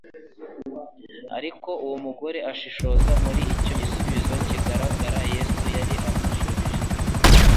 Ariko uwo mugore ashishoza muri icyo gisubizo kigaragara Yesu yari amushubije,